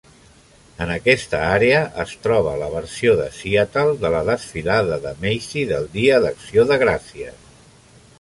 En aquesta àrea es troba la versió de Seattle de la Desfilada de Macy del Dia d'Acció de Gràcies.